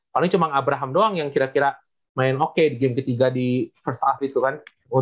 paling cuma abraham doang yang kira kira main oke di game ketiga di first off itu kan